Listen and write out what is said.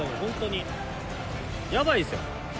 やばいですよ。